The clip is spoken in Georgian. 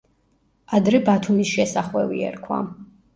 ადრე ბათუმის შესახვევი ერქვა.